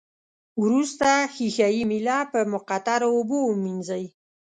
وروسته ښيښه یي میله په مقطرو اوبو ومینځئ.